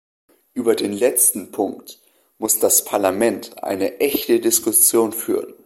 Über den letzten Punkt muss das Parlament eine echte Diskussion führen.